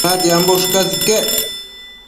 natiambo ushcas iquec